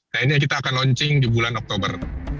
nah ini kita akan launching di bulan oktober